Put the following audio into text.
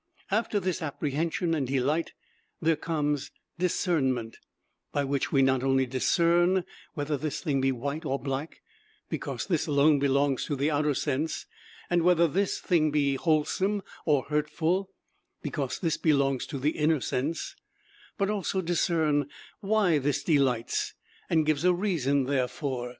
After this apprehension and delight there comes discernment, by which we not only discern whether this thing be white or black (because this alone belongs to the outer sense), and whether this thing be wholesome or hurtful (because this belongs to the inner sense), but also discern why this delights and give a reason therefor.